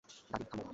দাদী, থামো।